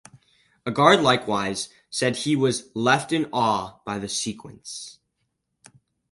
Agard likewise said he was "left in awe" by the sequence.